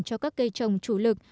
cho các cây trồng chủ lực